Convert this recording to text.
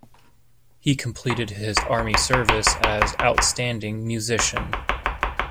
He completed his army service as "outstanding musician".